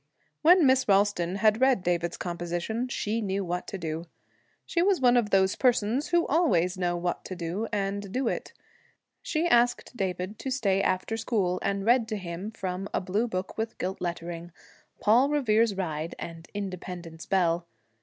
When Miss Ralston had read David's composition, she knew what to do. She was one of those persons who always know what to do, and do it. She asked David to stay after school, and read to him, from a blue book with gilt lettering, 'Paul Revere's Ride' and 'Independence Bell.'